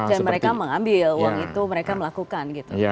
dan mereka mengambil uang itu mereka melakukan gitu